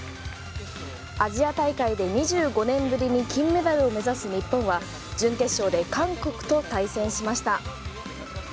アジア大会で２５年ぶりに金メダルを目指す日本は準決勝で韓国と対戦しました。